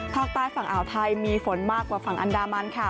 ภาคใต้ฝั่งอ่าวไทยมีฝนมากกว่าฝั่งอันดามันค่ะ